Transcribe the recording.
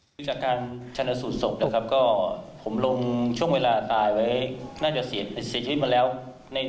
เกิดมาที่๑๒พศพปบ๒๓๐น